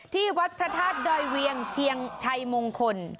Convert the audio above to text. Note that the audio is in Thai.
ที่วัดพระธาตุดอยเวียงเชียงชัยมงคล